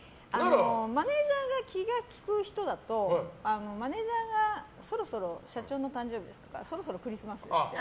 マネジャーが気が利く人だとマネジャーがそろそろ社長の誕生日ですとかそろそろクリスマスですって。